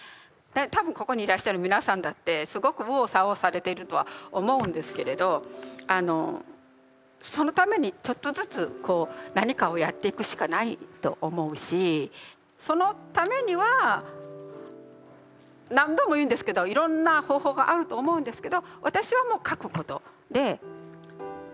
多分ここにいらっしゃる皆さんだってすごく右往左往されているとは思うんですけれどそのためにちょっとずつ何かをやっていくしかないと思うしそのためには何度も言うんですけどいろんな方法があると思うんですけど私はもう書くことで今の自分の絶望